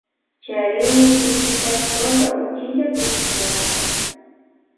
Charini pichka chunka uchilla chuchikunata.